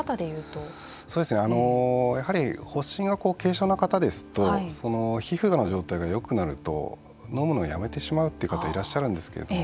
やはり、発疹が軽症な方ですと皮膚の状態がよくなると飲むのをやめてしまうという方がいらっしゃるんですけれども。